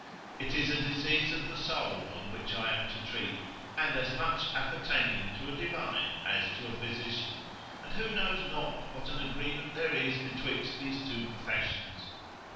It is a disease of the soul on which I am to treat, and as much appertaining to a divine as to a physician, and who knows not what an agreement there is betwixt these two professions?